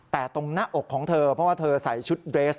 แต่ตรงหน้าอกของเธอเพราะว่าเธอใส่ชุดเรส